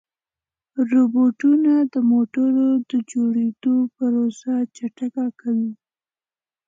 روبوټونه د موټرو د جوړېدو پروسه چټکه کوي.